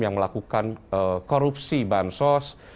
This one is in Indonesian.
yang melakukan korupsi bansos